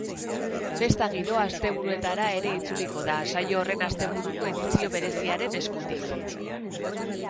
Festa giroa asteburuetara ere itzuliko da, saio horren asteburuko edizio bereziaren eskutik.